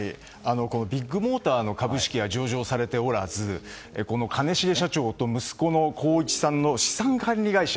ビッグモーターの株式が上場されておらずこの兼重社長と息子の宏一さんの資産管理会社